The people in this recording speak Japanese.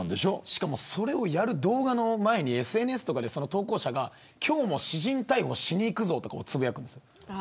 しかも、それをやる動画の前にＳＮＳとかで投稿者が今日も私人逮捕しにいくぞとつぶやくんです。